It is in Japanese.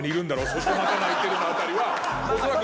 そしてまた泣いてるの辺りはおそらく。